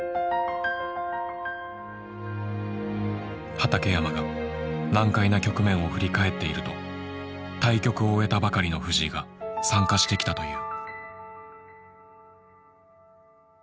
畠山が難解な局面を振り返っていると対局を終えたばかりの藤井が参加してきたという。